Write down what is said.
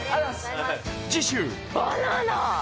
次週バナナ